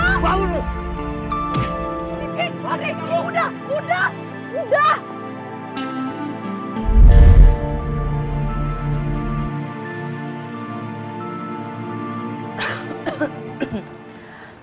rifki udah udah udah